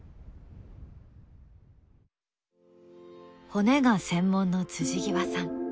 骨が専門の極さん